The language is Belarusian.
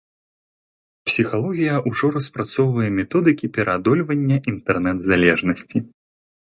Псіхалогія ўжо распрацоўвае методыкі пераадольвання інтэрнэт-залежнасці.